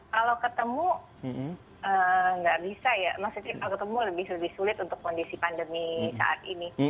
kalau ketemu nggak bisa ya maksudnya kalau ketemu lebih sulit untuk kondisi pandemi saat ini